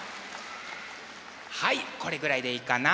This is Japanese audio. はいこれぐらいでいいかな。